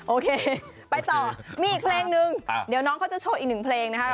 โอเคไปต่อมีอีกเพลงนึงเดี๋ยวน้องเขาจะโชว์อีกหนึ่งเพลงนะคะ